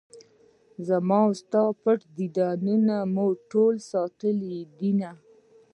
زما وستا پټ دیدنونه مې ټول ساتلي دي